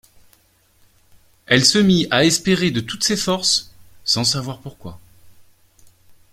Elle se mit à espérer de toutes ses forces sans savoir pourquoi.